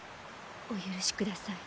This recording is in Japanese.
お許しください。